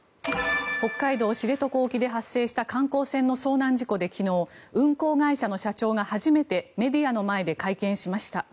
北海道・知床沖で発生した観光船の遭難事故で昨日運航会社の社長が初めてメディアの前で会見しました。